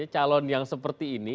calon yang seperti ini